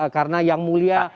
karena yang mulia